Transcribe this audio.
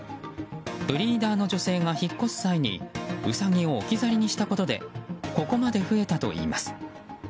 ブリーダーの女性が引っ越す際にウサギを置き去りにしたことでここまで増えたといいます。